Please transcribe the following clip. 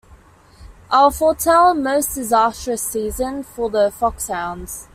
I'll foretell a most disastrous season for the foxhounds.